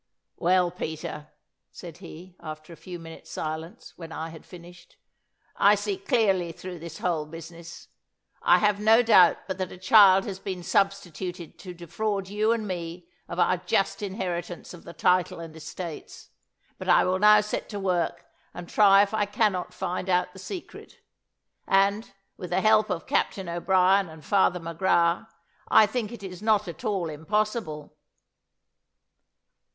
"Well, Peter," said he, after a few minutes' silence, when I had finished, "I see clearly through this whole business. I have no doubt but that a child has been substituted to defraud you and me of our just inheritance of the title and estates; but I will now set to work and try if I cannot find out the secret; and, with the help of Captain O'Brien and Father McGrath, I think it is not at all impossible."